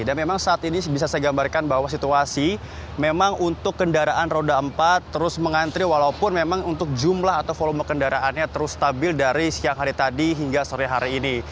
dan memang saat ini bisa saya gambarkan bahwa situasi memang untuk kendaraan roda empat terus mengantri walaupun memang untuk jumlah atau volume kendaraannya terus stabil dari siang hari tadi hingga sore hari ini